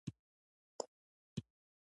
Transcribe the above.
زه کوم پیر نه یم.